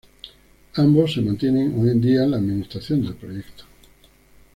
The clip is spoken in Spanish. Ambos se mantienen hoy día en la administración del proyecto.